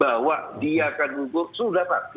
bahwa dia akan gugur sudah pasti